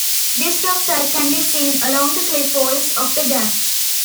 This rock type can be seen along the cliff walls of the Gap.